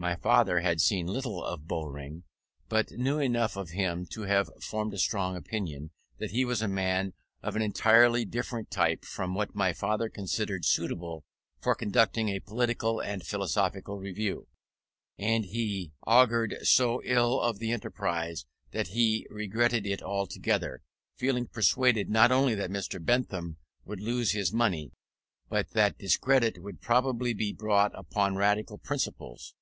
My father had seen little of Bowring, but knew enough of him to have formed a strong opinion, that he was a man of an entirely different type from what my father considered suitable for conducting a political and philosophical Review: and he augured so ill of the enterprise that he regretted it altogether, feeling persuaded not only that Mr. Bentham would lose his money, but that discredit would probably be brought upon Radical principles.